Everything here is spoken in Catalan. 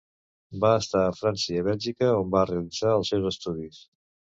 Van estar a França i a Bèlgica, on va realitzar els seus estudis.